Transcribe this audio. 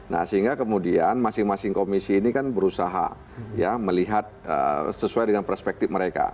nah sehingga kemudian masing masing komisi ini kan berusaha ya melihat sesuai dengan perspektif mereka